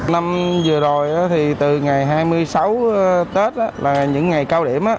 năm vừa rồi thì từ ngày hai mươi sáu tết là những ngày cao điểm